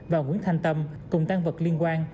và nguyễn thanh tâm cùng tăng vật liên quan